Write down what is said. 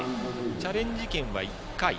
チャレンジ権は１回。